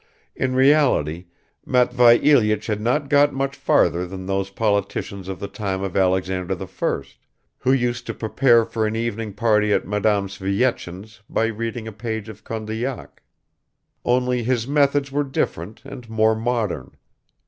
In reality, Matvei Ilyich had not got much further than those politicians of the time of Alexander I, who used to prepare for an evening party at Madame Svyechin's by reading a page of Condillac; only his methods were different and more modern.